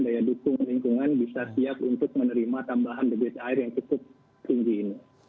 daya dukung lingkungan bisa siap untuk menerima tambahan debit air yang cukup tinggi ini